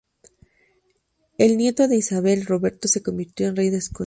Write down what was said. El nieto de Isabella, Roberto se convirtió en rey de Escocia.